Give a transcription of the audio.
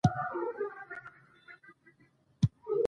د لوی مذهبي لارښود په سترګه کتل کېدل.